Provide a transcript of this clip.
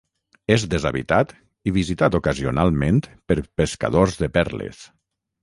És deshabitat i visitat ocasionalment per pescadors de perles.